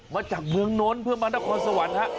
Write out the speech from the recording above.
มาจากเมืองน้นเพื่อมานครสวรรค์ฮะ